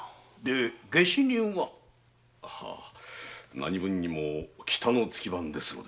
何分にも北の月番ですので。